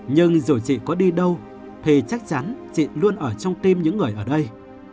nhưng dù chị có đi đâu thì chắc chắn chị luôn ở trong tim những người ở đây